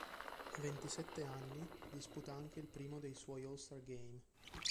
A ventisette anni disputa anche il primo dei suoi All Star Game.